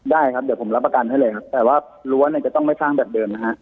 ได้ครับเดี๋ยวผมรับประกันให้เลยครับแต่ว่ารั้วเนี่ยจะต้องไม่สร้างแบบเดิมนะฮะ